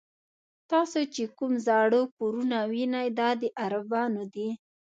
تاسې چې کوم زاړه کورونه وینئ دا د عربانو دي.